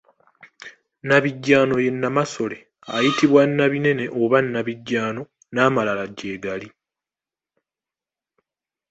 Nabijjaano ye Nnamasole, ayitibwa Nabinene oba Nabijjaano n'amalala gye gali.